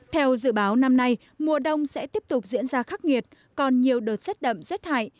theo dự báo năm nay mùa đông sẽ tiếp tục diễn ra khắc nghiệt còn nhiều đợt rét đậm rét hại